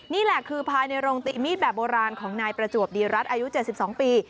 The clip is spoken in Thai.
นี่แหละคือภายในโรงตีมีดแบบโบราณของนายประจวบดีรัฐอายุ๗๒ปี